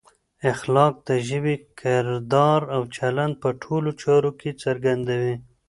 اخلاق د ژبې، کردار او چلند په ټولو چارو کې څرګندوي.